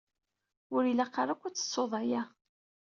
Ur ilaq ara akk ad tettuḍ aya.